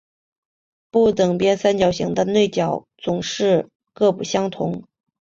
不等边三角形的内角总是各不相同。